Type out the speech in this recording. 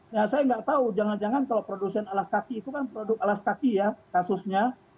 nah saya nggak tahu jangan jangan kalau produsen alas kaki itu kan produk alas kaki ya kasusnya